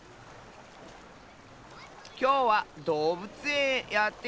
きょうはどうぶつえんへやってきました。